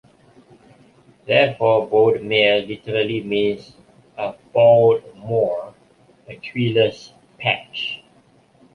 Therefore, Boldmere literally means a "bald moor"; a treeless patch.